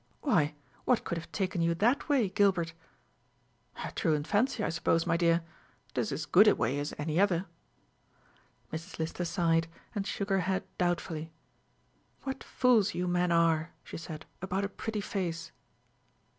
"Why, what could have taken you that way, Gilbert?" "A truant fancy, I suppose, my dear. It is as good a way as any other." Mrs. Lister sighed, and shook her head doubtfully. "What fools you men are," she said, "about a pretty face!"